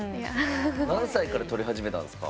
何歳から撮り始めたんですか？